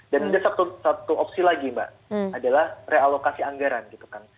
dan ada satu opsi lagi mbak adalah realokasi anggaran gitu kan